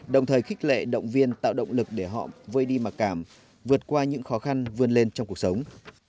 đồng thời khích lệ động viên tạo động lực để họ vơi đi mặc cảm vượt qua những khó khăn vươn lên trong cuộc sống